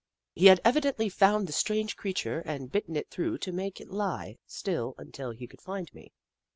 He had evidently found the strange creature and bitten it through to make it lie still until he could find me.